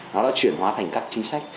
nó đã chuyển hóa thành các chính sách